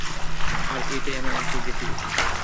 আর এটাই আমার মাথায় গেঁথে গেছে।